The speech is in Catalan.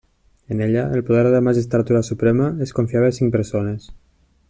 En ella el poder de la magistratura suprema es confiava a cinc persones.